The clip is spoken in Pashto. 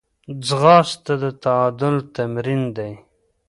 ځغاسته د تعادل تمرین دی